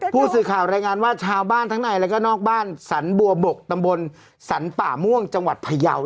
ผู้สื่อข่าวรายงานว่าชาวบ้านทั้งในแล้วก็นอกบ้านสรรบัวบกตำบลสรรป่าม่วงจังหวัดพยาว